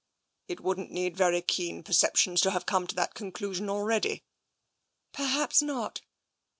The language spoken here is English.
"" It wouldn't need very keen perceptions to have come to that conclusion already." " Perhaps not."